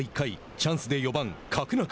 チャンスで４番角中。